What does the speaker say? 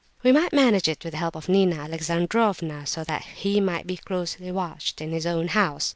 We might manage it with the help of Nina Alexandrovna, so that he might be closely watched in his own house.